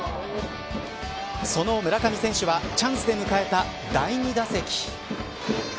その村上選手はチャンスで迎えた第２打席。